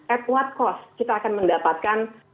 at quote cost kita akan mendapatkan